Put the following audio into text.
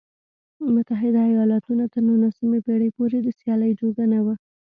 متحده ایالتونه تر نولسمې پېړۍ پورې د سیالۍ جوګه نه و.